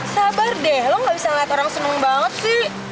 sabar deh lo gak bisa ngeliat orang seneng banget sih